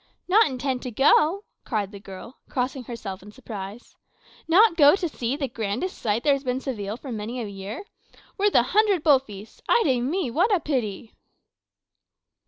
"Not intend to go!" cried the girl, crossing herself in surprise. "Not go to see the grandest sight there has been in Seville for many a year! Worth a hundred bull feasts! Ay de mi! what a pity!"